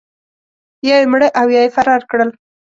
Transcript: یا یې مړه او یا یې فرار کړل.